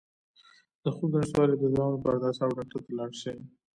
د خوب د نشتوالي د دوام لپاره د اعصابو ډاکټر ته لاړ شئ